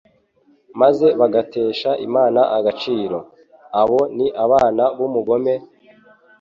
maze bagatesha Imana agaciro. Abo ni abana b'umugome,